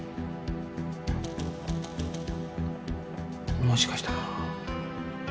もしかしたら。